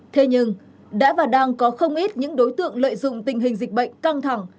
thế nhưng đã và đang có không ít những đối tượng lợi dụng tình hình dịch bệnh căng thẳng